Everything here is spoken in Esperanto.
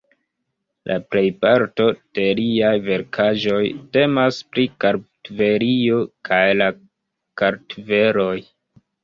La plejparto de liaj verkaĵoj temas pri Kartvelio kaj la kartveloj.